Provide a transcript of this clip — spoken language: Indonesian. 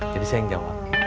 jadi saya yang jawab